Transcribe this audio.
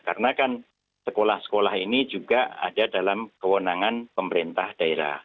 karena kan sekolah sekolah ini juga ada dalam kewenangan pemerintah daerah